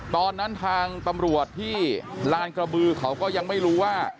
ตอนนั้นทางตำรวจที่ลานกระบือเขาก็ยังไม่รู้ว่า